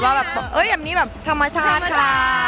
ว่าแบบเอ้ยอันนี้แบบธรรมชาติค่ะ